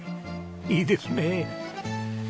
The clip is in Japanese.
いいですね。